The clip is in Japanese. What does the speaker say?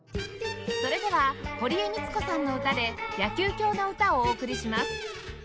それでは堀江美都子さんの歌で『野球狂の詩』をお送りします